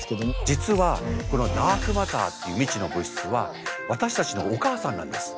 実はこのダークマターっていう未知の物質は私たちのお母さんなんです。